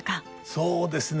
そうですね。